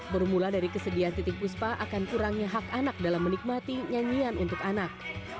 bermula dari kesediaan titik puspa akan kurangnya hak anak dalam menikmati nyanyian untuk anak